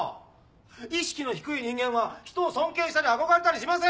意識の低い人間は人を尊敬したり憧れたりしません！